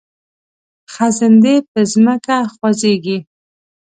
خزندې په ځمکه خوځیږي